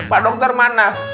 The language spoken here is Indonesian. pak dokter mana